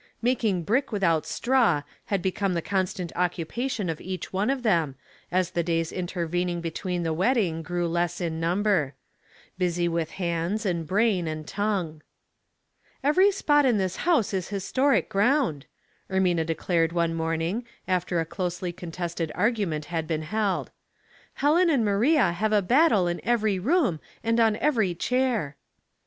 " Mak ing brick without straw " had become the con stant occupation of each one of them, as the days intervening between the wedding grew less in number. Busy with hands, and brain, and tongue. "Every spot in this house is historic ground," Ermina declared one morning, after a closely contested argument had been held. *' Helen and Maria have a battle in every room and on every chair."